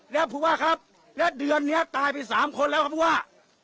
แล้วผู้ว่าครับและเดือนนี้ตายไปสามคนแล้วครับผู้ว่า